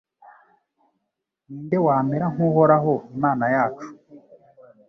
Ni nde wamera nk’Uhoraho Imana yacu